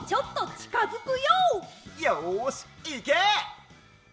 よしいけ！